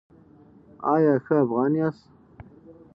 ایا ښه افغان یاست؟